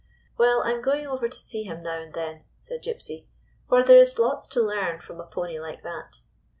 " Well, I 'm going over to see him now and then," said Gypsy, "for there is lots to learn from a pony like that.